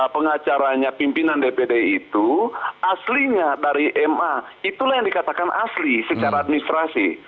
pengacaranya pimpinan dpd itu aslinya dari ma itulah yang dikatakan asli secara administrasi